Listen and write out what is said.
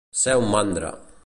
Ser un mandra.